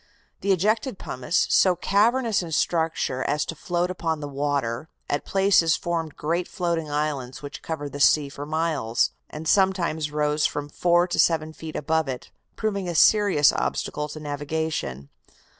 The ejected pumice, so cavernous in structure as to float upon the water, at places formed great floating islands which covered the sea for miles, and sometimes rose from four to seven feet above it, proving a serious obstacle to navigation.